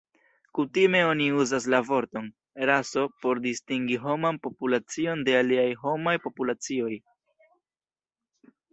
Kutime oni uzas la vorton 'raso' por distingi homan populacion de aliaj homaj populacioj.